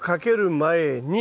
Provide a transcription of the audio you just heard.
前に。